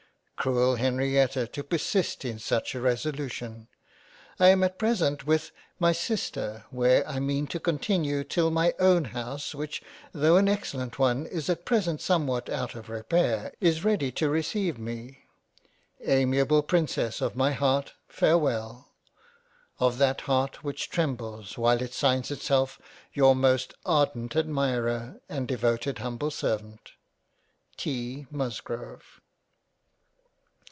Cruel Henrietta to persist in such a resolution ! I am at present with my sister where I mean to continue till my own house which tho' an excellent one is at present somewhat out of repair, is ready to receive me. Amiable princess of my Heart farewell — Of that Heart which trembles while it signs itself your most ardent Admirer and devoted humble serv? • T. Musgrove.